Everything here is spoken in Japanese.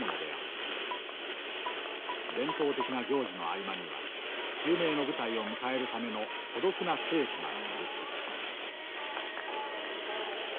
伝統的な行事の合間には襲名の舞台を迎えるための孤独な稽古が続く。